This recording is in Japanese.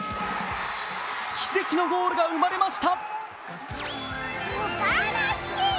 奇跡のゴールが生まれました。